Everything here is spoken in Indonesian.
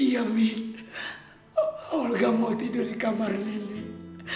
iya min olga mau tidur di kamar nenek